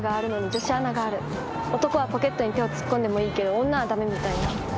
男はポケットに手を突っ込んでもいいけど女は駄目みたいな。